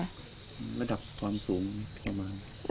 ระดับความสูงประมาณ